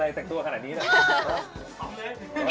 อ่าอย่าเอามีคนนี้